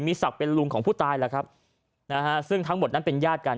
ศักดิ์เป็นลุงของผู้ตายแหละครับนะฮะซึ่งทั้งหมดนั้นเป็นญาติกัน